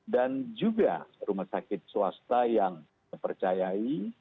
dan juga rumah sakit swasta yang dipercayai